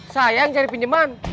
saya yang cari pinjeman